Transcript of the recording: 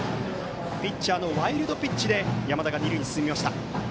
ピッチャーのワイルドピッチで山田が二塁に進みました。